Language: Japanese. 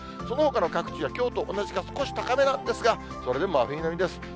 そのほかの各地は、きょうと同じか、少し高めなんですが、それでも真冬並みです。